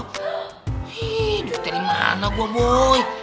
ih duitnya dimana gue boy